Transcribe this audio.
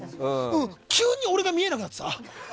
急に俺が見えなくなってきた。